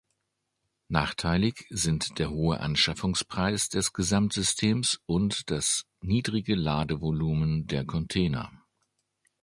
Nachteilig sind der hohe Anschaffungspreis des Gesamtsystems und das niedrigere Ladevolumen der Container.